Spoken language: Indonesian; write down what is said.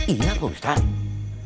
iya pak ustadz